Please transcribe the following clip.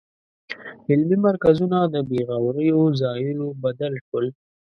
علمي مرکزونه د بېغوریو ځایونو بدل شول.